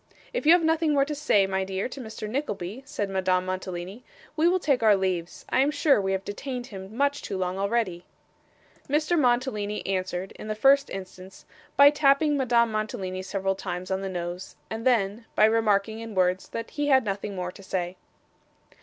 'If you have nothing more to say, my dear, to Mr. Nickleby,' said Madame Mantalini, 'we will take our leaves. I am sure we have detained him much too long already.' Mr. Mantalini answered, in the first instance, by tapping Madame Mantalini several times on the nose, and then, by remarking in words that he had nothing more to say.